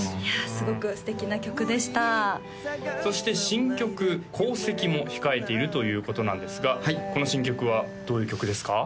すごく素敵な曲でしたそして新曲「航跡」も控えているということなんですがこの新曲はどういう曲ですか？